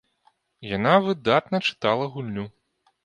Яна выдатна чытала гульню.